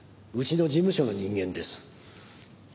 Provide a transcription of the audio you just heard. うちの事務所の人間です。